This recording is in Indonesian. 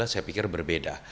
saya pikir berbeda